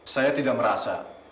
saya tidak merasa